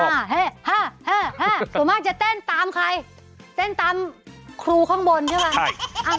ส่วนมากจะเต้นตามใครเต้นตามครูข้างบนใช่ไหม